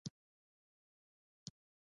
منی د کال دریم فصل دی